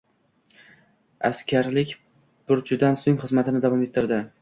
Askarlik burchidan so`ng, xizmatini davom ettirdi